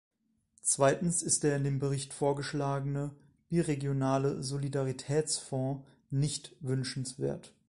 Zweitens ist der in dem Bericht vorgeschlagene biregionale Solidaritätsfonds nicht wünschenswert.